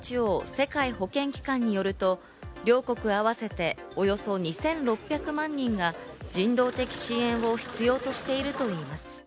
ＷＨＯ＝世界保健機関によると、両国合わせて、およそ２６００万人が人道的支援を必要としているといいます。